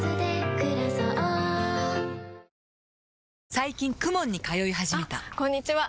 最近 ＫＵＭＯＮ に通い始めたあこんにちは！